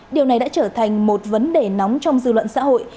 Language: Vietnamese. điều này đã trở thành một vấn đề nóng trong dư luận xã hội